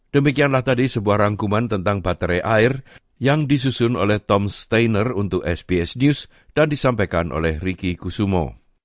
demikianlah tadi sebuah rangkuman tentang baterai air yang disusun oleh tom stainer untuk sps news dan disampaikan oleh riki kusumo